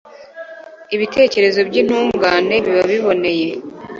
Ibitekerezo by’intungane biba biboneye